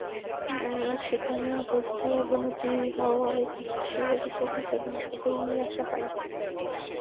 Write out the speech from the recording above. সেখানে অবস্থার অবনতি হওয়ায় তাঁকে শেরপুর জেলা হাসপাতালে নিয়ে আসা হয়।